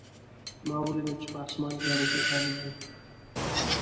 ما ولیدل چې په اسمان کې الوتکه الوزي